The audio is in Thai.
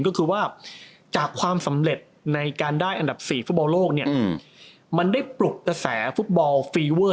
ก็คือว่าจากความสำเร็จในการได้อันดับ๔ฟุตบอลโลกเนี่ยมันได้ปลุกกระแสฟุตบอลฟีเวอร์